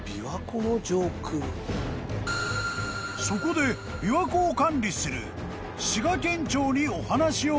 ［そこで琵琶湖を管理する］